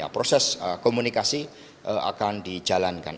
proses komunikasi akan dijalankan